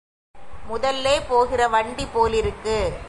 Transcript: முதல்லே போகிற வண்டி போலிருக்கு.